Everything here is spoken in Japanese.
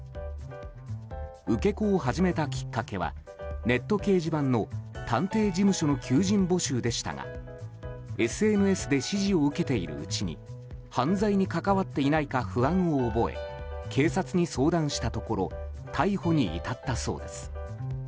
受け子を始めたきっかけはネット掲示板の探偵事務所の求人募集でしたがＳＮＳで指示を受けているうちに犯罪に関わっていないか不安を覚え警察に相談したところ逮捕に至ったそうです。